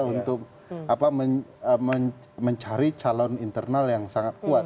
untuk mencari calon internal yang sangat kuat